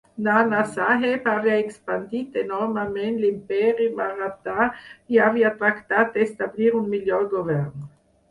Nanasaheb havia expandit enormement l'Imperi Maratha i havia tractat d'establir un millor govern.